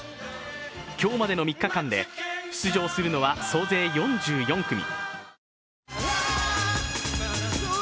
今日までの３日間で出場するのは総勢４４組。